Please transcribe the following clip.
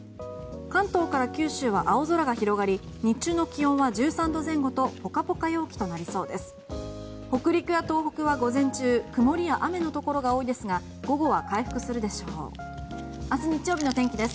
関東から九州は青空が広がり日中の気温は１３度前後とポカポカ陽気となりそうです。